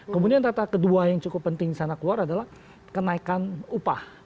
kemudian tata kedua yang cukup penting di sana keluar adalah kenaikan upah